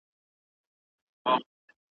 او د لیکلو لپاره څه نه لري `